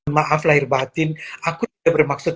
maaf lahir batin aku tidak bermaksud